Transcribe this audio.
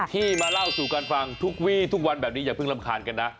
ที่มาเล่าสู่กันฟังทุกวีทุกวันแบบนี้อย่าเพิ่งรำคาญกันนะ